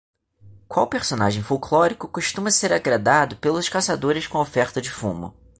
Qual personagem folclórico costuma ser agradado pelos caçadores com a oferta de fumo?